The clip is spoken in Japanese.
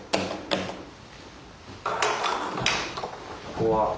ここは？